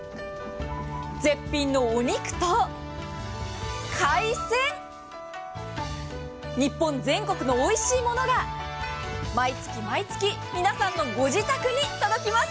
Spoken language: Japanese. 絶品のお肉と海鮮日本全国のおいしいものが毎月毎月皆さんのご自宅に届きます。